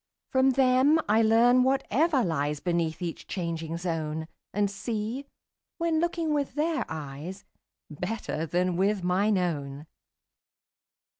From them I learn whatever lies Beneath each changing zone, And see, when looking with their eyes, 35 Better than with mine own.